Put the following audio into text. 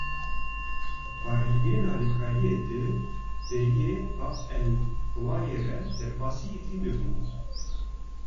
Barhilgirên alîkariyan di deriyê Bab el Hewayê re derbasî Îdlibê bûn.